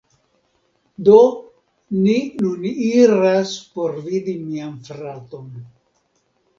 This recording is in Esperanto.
Do, ni nun iras por vidi mian fraton